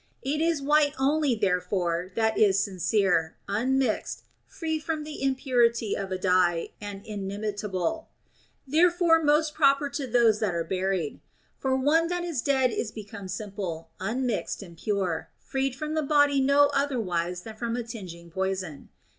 It is white only therefore that is sincere, unmixed, free from the impurity of a dye, and inimitable ; therefore most proper to those that are buried. For one that is dead is become simple, unmixed, and pure, freed from the body no other wise than from a tingeing poison.